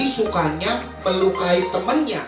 tapi sukanya melukai temannya